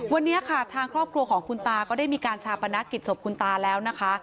วันนี้ค่ะทางครอบครัวของคุณตาก็ได้มีการชาปนกิจศพคุณตาแล้วนะคะ